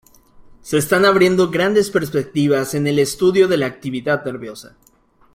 Se están abriendo grandes perspectivas en el estudio de la actividad nerviosa.